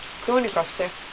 どうにかして。